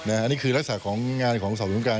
อันนี้คือรักษาของงานของศาลบินการ